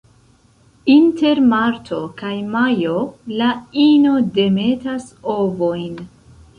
Inter marto kaj majo la ino demetas ovojn.